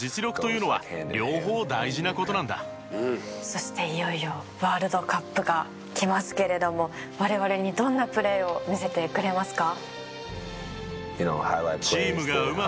そしていよいよワールドカップが来ますけれども我々にどんなプレーを見せてくれますか？